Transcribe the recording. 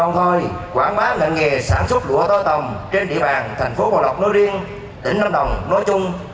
nghề sản xuất lụa tơ tầm trên địa bàn thành phố bà lộc nối riêng tỉnh lâm đồng nối chung